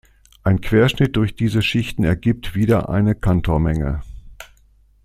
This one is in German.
Ein Querschnitt durch diese Schichten ergibt wieder eine Cantor-Menge.